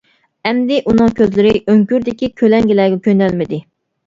ئەمدى ئۇنىڭ كۆزلىرى ئۆڭكۈردىكى كۆلەڭگىلەرگە كۆنەلمىدى.